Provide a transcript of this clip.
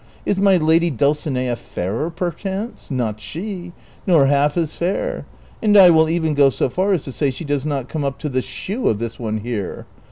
Is my lady Dulcinea fairer, perchance ? Not she ; nor half as fair ; and I will even go so far as to say she does not come up to the shoe of this one here.